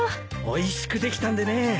おいしくできたんでね。